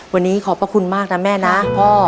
วันนี้ขอบพระคุณมากนะแม่นะพ่อ